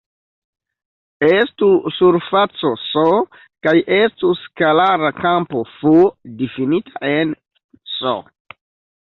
Estu surfaco "S" kaj estu skalara kampo "f" difinita en "S".